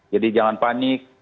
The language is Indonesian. jadi jangan panik